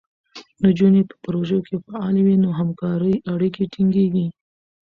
نجونې په پروژو کې فعالې وي، نو همکارۍ اړیکې ټینګېږي.